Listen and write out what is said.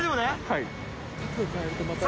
はい。